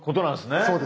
そうです。